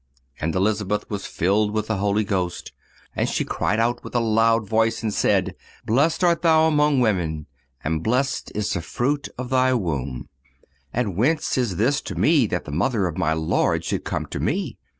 And Elizabeth was filled with the Holy Ghost, and she cried out with a loud voice and said: Blessed art thou among women, and blessed is the fruit of thy womb. And whence is this to me that the mother of my Lord should come to me?